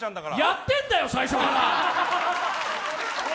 やってんだよ、最初から！